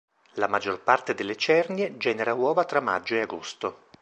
La maggior parte delle cernie genera uova tra maggio e agosto.